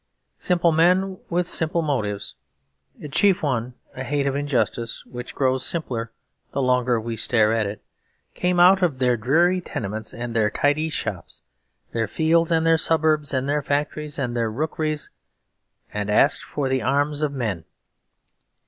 Simple men with simple motives, the chief one a hate of injustice which grows simpler the longer we stare at it, came out of their dreary tenements and their tidy shops, their fields and their suburbs and their factories and their rookeries, and asked for the arms of men.